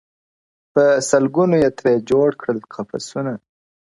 په سل ګونو یې ترې جوړ کړل قفسونه-